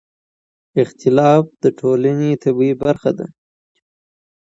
اختلاف د ټولنې طبیعي برخه ده